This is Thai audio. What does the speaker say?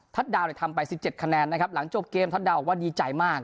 ทัดดาวน์ได้ทำไป๑๗คะแนนนะครับหลังจบเกมทัดดาวน์ออกว่าดีใจมาก